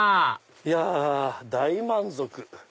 いや大満足。